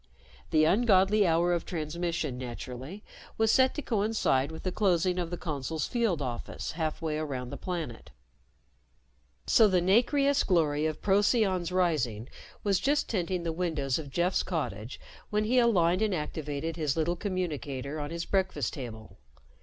The ungodly hour of transmission, naturally, was set to coincide with the closing of the Consul's field office halfway around the planet. So the nacreous glory of Procyon's rising was just tinting the windows of Jeff's cottage when he aligned and activated his little communicator on his breakfast table.